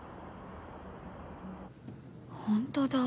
本当だ。